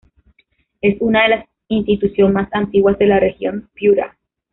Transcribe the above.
Es una de las institución más antiguas de la Región Piura.